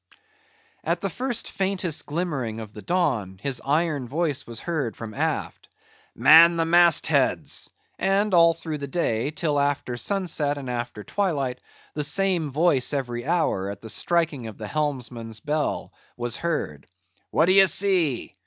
At the first faintest glimmering of the dawn, his iron voice was heard from aft,—"Man the mast heads!"—and all through the day, till after sunset and after twilight, the same voice every hour, at the striking of the helmsman's bell, was heard—"What d'ye see?